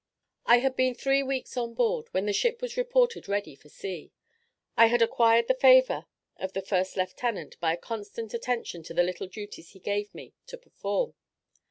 I had been three weeks on board, when the ship was reported ready for sea. I had acquired the favour of the first lieutenant by a constant attention to the little duties he gave me to perform.